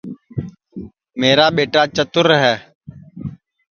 میرا ٻیٹا چتر ہے